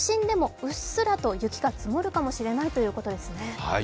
都心でもうっすらと雪が積もるかもしれないということですね。